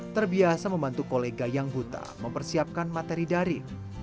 terbiasa membantu kolega yang buta mempersiapkan materi dari